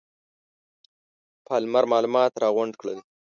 پالمر معلومات راغونډ کړل.